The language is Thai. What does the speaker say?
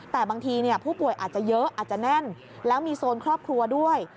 แต่บางทีผู้ป่วยอาจจะเยอะอาจจะแน่นแล้วมีโซนครอบครัวด้วย